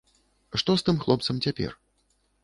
Што з тым хлопцам цяпер?